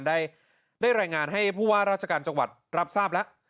ได้รายงานให้ผู้ว่าราชการจังหวัดรับทราบแล้ว